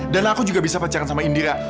dan aku juga bisa pacaran sama indira